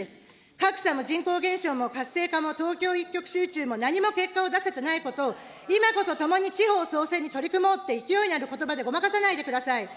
格差も人口減少も活性化も東京一極集中も何も結果を出せてないことを、今こそともに地方創生に取り組もうという勢いのあることばでごまかさないでください。